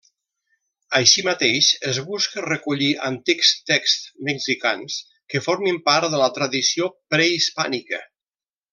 Així mateix es busca recollir antics texts mexicans que formin part de la tradició prehispànica.